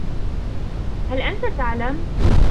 هل أنت تعلم ؟